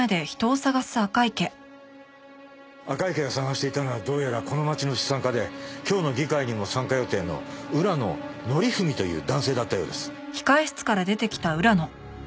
赤池が捜していたのはどうやらこの町の資産家で今日の議会にも参加予定の浦野典史という男性だったようです。